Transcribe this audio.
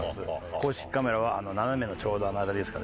公式カメラは斜めのちょうどあの辺りですかね。